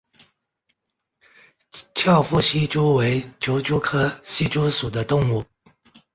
翘腹希蛛为球蛛科希蛛属的动物。